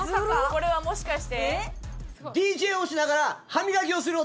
これはもしかして？